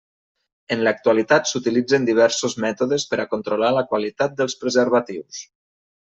En l'actualitat s'utilitzen diversos mètodes per a controlar la qualitat dels preservatius.